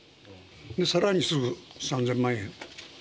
さらにすぐ３０００万円。